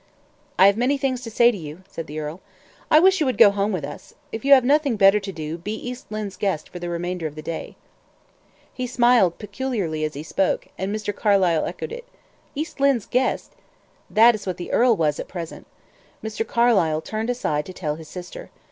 "I have many things to say to you," said the earl. "I wish you would go home with us. If you have nothing better to do, be East Lynne's guest for the remainder of the day." He smiled peculiarly as he spoke, and Mr. Carlyle echoed it. East Lynne's guest! That is what the earl was at present. Mr. Carlyle turned aside to tell his sister.